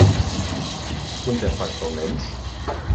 Und der Faktor Mensch?